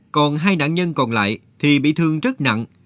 còn hai nạn nhân còn lại thì bị thương rất nặng